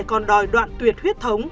còn đòi đoạn tuyệt huyết thống